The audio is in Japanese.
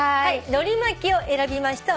「のり巻き」を選びました